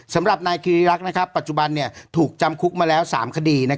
สำหรับนายคิริรักษ์ปัจจุบันถูกจำคุกมาแล้ว๓คดี